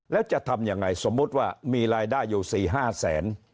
แล้วจะทำยังไงสมมุติว่ามีรายได้อยู่๔๕แสน